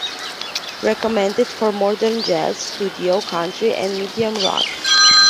Recommended for modern jazz, studio, country and medium rock.